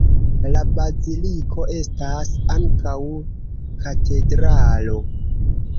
La baziliko estas ankaŭ katedralo.